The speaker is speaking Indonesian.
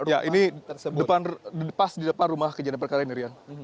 ya ini pas di depan rumah kejadian perkara ini rian